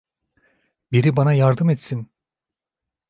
Biri bana yardım etsin!